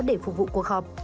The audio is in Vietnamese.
để phục vụ cuộc họp